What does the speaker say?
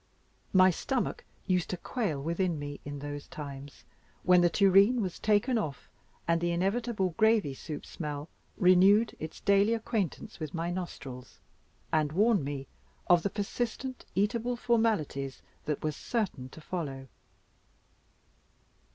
My stomach used to quail within me, in those times, when the tureen was taken off and the inevitable gravy soup smell renewed its daily acquaintance with my nostrils, and warned me of the persistent eatable formalities that were certain to follow.